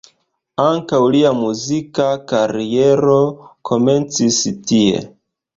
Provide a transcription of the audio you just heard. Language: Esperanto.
Ankaŭ lia muzika kariero komencis tie.